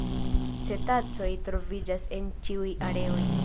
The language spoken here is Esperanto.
Cetacoj troviĝas en ĉiuj areoj.